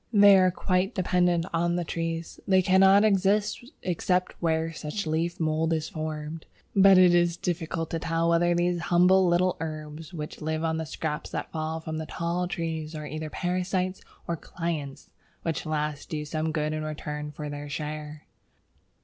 They are quite dependent on the trees; they cannot exist except where such leaf mould is formed. But it is very difficult to tell whether these humble little herbs which live on the scraps that fall from the tall trees are either parasites or clients, which last do some good in return for their share.